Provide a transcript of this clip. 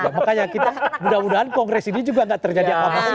ya makanya kita mudah mudahan kongres ini juga tidak terjadi aklamasi